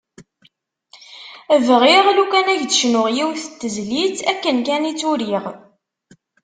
Bɣiɣ lukan ad k-d-cnuɣ yiwet n tezlit akken kan i tt-uriɣ.